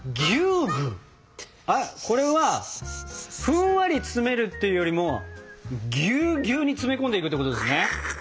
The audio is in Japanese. これはふんわり詰めるっていうよりもぎゅうぎゅうに詰め込んでいくってことですね？